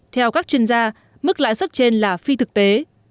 theo các chuyên gia mức lãi suất trên là phi thực tế